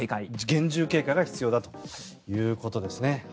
厳重警戒が必要だということですね。